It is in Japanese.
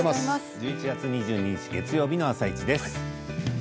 １１月２２日月曜日の「あさイチ」です。